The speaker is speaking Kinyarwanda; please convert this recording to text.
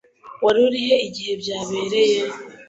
Wari urihe igihe byabereye?